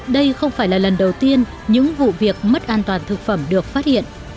đây không phải là lần đầu tiên những vụ việc mất an toàn thực phẩm được phát hiện